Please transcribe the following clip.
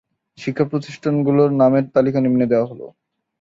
শিক্ষা প্রতিষ্ঠানগুলির নামের তালিকা নিম্নে দেওয়া হলো।